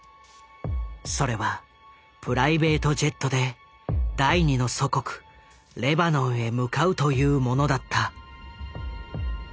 それはプライベートジェットで第２の祖国レバノンへ向かうというものだった。